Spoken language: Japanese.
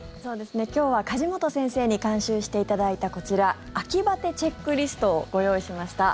今日は梶本先生に監修していただいたこちら、秋バテチェックリストをご用意しました。